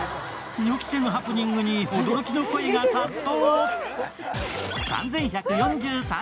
予期せぬハプニングに驚きの声が殺到。